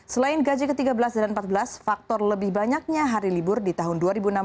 selain gaji ke tiga belas dan ke empat belas faktor lebih banyaknya hari libur di tahun dua ribu enam belas